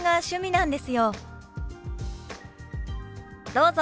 どうぞ。